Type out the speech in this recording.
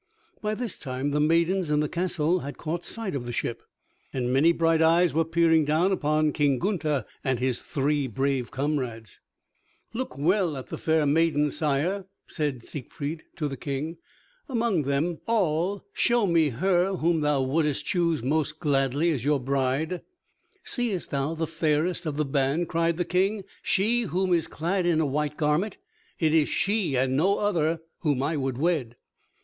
By this time the maidens in the castle had caught sight of the ship, and many bright eyes were peering down upon King Gunther and his three brave comrades. "Look well at the fair maidens, sire," said Siegfried to the King. "Among them all show me her whom thou wouldst choose most gladly as your bride." "Seest thou the fairest of the band," cried the King, "she who is clad in a white garment? It is she and no other whom I would wed."